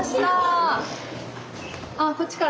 あこっちから。